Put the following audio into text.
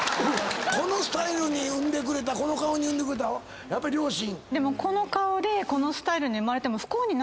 このスタイルに生んでくれたこの顔に生んでくれたやっぱ両親？